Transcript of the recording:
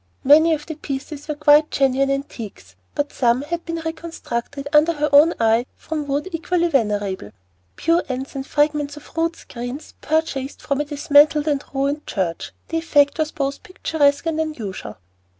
Many of the pieces were genuine antiques, but some had been constructed under her own eye from wood equally venerable, pew ends and fragments of rood screens purchased from a dismantled and ruined church. The effect was both picturesque and unusual.